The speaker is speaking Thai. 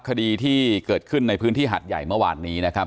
คดีที่เกิดขึ้นในพื้นที่หัดใหญ่เมื่อวานนี้นะครับ